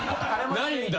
ないんだ。